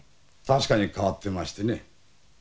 確かに変わってましてね。